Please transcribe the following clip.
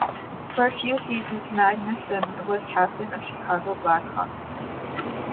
For a few seasons, Magnuson was captain of the Chicago Blackhawks team.